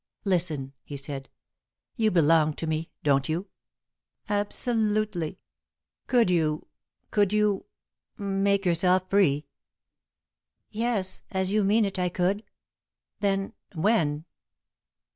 "Listen," he said. "You belong to me, don't you?" "Absolutely." "Could you could you make yourself free?" "Yes, as you mean it, I could." "Then when?"